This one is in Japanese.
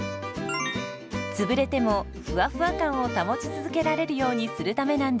つぶれてもふわふわ感を保ち続けられるようにするためなんです。